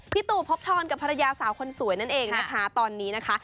ตู่พบทรกับภรรยาสาวคนสวยนั่นเองนะคะตอนนี้นะคะ